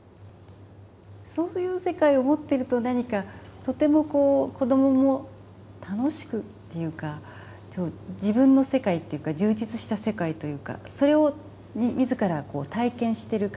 そういう世界を持っていると何かとても子どもも楽しくっていうか自分の世界っていうか充実した世界というかそれを自ら体験してる感じになるんでしょうか？